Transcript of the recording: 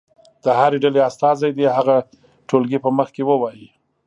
د هرې ډلې استازی دې هغه ټولګي په مخ کې ووایي.